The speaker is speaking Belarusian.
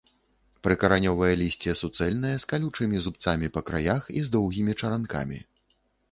Прыкаранёвае лісце суцэльнае, з калючымі зубцамі па краях і з доўгімі чаранкамі.